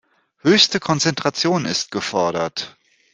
Höchste Konzentration ist gefordert.